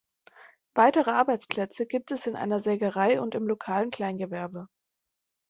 Weitere Arbeitsplätze gibt es in einer Sägerei und im lokalen Kleingewerbe.